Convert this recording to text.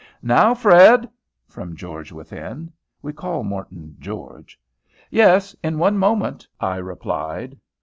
"Now, Fred," from George within. (We all call Morton "George.") "Yes, in one moment," I replied.